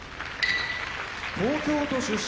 東京都出身